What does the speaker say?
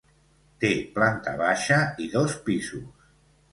Té Planta baixa i dos pisos.